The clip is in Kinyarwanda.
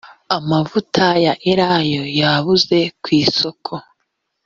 amavuta ya elayo yabuze ku isoko